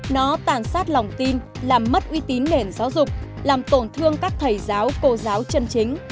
nó tàn sát lòng tin làm mất uy tín nền giáo dục làm tổn thương các thầy giáo cô giáo chân chính